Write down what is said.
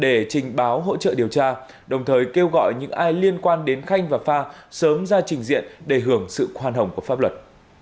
để trình báo hỗ trợ điều tra đồng thời kêu gọi những ai liên quan đến khanh và pha sớm ra trình diện để hưởng sự khoan hồng của pháp luật